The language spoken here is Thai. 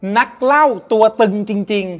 นักเล่าตัวตึงจริง